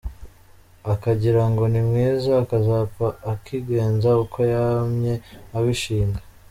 Akagira ngo ni mwiza, Akazapfa akigenza Uko yamye abishinga.